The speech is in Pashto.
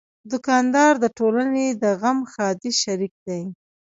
دوکاندار د ټولنې د غم ښادۍ شریک دی.